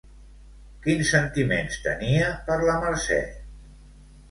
Quins sentiments tenia per la Mercè?